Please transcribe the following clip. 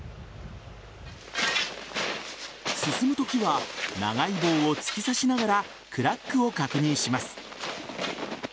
進むときは長い棒を突き刺しながらクラックを確認します。